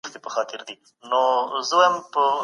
د سرمايې حاصل په ډير بد حالت کي ټيټ سوی و.